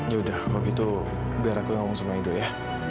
yaudah kalau gitu biar aku yang ngomong sama edo ya